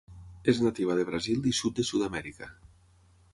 És nativa de Brasil i sud de Sud-amèrica.